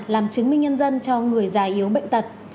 làm chứng minh nhân dân cho người già yếu bệnh tật